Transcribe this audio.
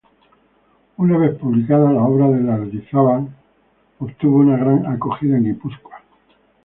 Una vez publicada, la obra de Lardizábal obtuvo una gran acogida en Guipúzcoa.